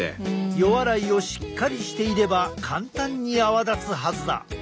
予洗いをしっかりしていれば簡単に泡立つはずだ。